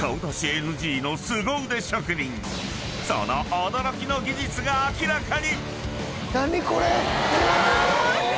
［その驚きの技術が明らかに！］